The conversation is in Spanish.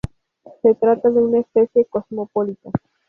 Se trata de una especie cosmopolita.